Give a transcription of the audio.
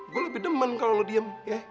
gue lebih demen kalau lo diem